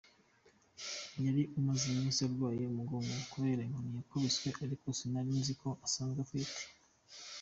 Yari umaze iminsi arwaye umugongo kubera inkoni yakubiswe, ariko sinari nzi ko asanzwe atwite.